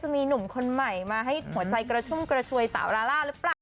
มีหนุ่มคนใหม่มาให้หัวใจกระชุ่มกระชวยสาวราล่าหรือเปล่า